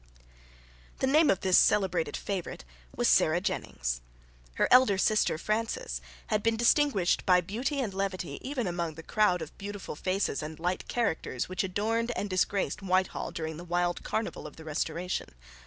The name of this celebrated favourite was Sarah Jennings. Her elder sister, Frances, had been distinguished by beauty and levity even among the crowd of beautiful faces and light characters which adorned and disgraced Whitehall during the wild carnival of the Restoration.